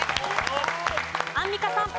アンミカさん。